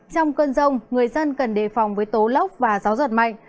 trong cơn rông người dân cần đề phòng với tố lốc và gió giật mạnh